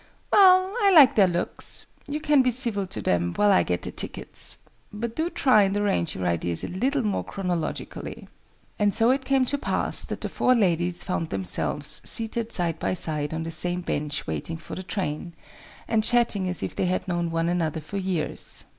"Well, I like their looks. You can be civil to them, while I get the tickets. But do try and arrange your ideas a little more chronologically!" And so it came to pass that the four ladies found themselves seated side by side on the same bench waiting for the train, and chatting as if they had known one another for years.